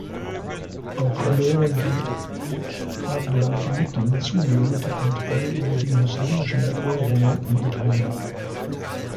Auch verloren die Aghlabiden zunehmend die Kontrolle über die muslimischen Eroberungen in Italien.